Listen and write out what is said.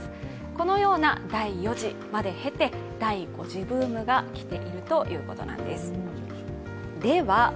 このような第４次まで経て第５次ブームがきているということなんです。